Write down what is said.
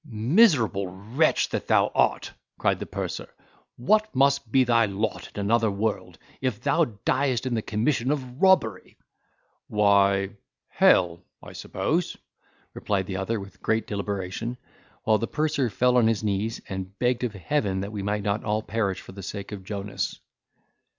"Miserable wretch that thou art!" cried the purser, "what must be thy lot in another world, if thou diest in the commission of robbery?" "Why, hell, I suppose," replied the other, with great deliberation, while the purser fell on his knees, and begged of Heaven that we might not all perish for the sake of Jonas.